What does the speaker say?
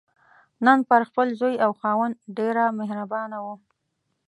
نن پر خپل زوی او خاوند ډېره مهربانه وه.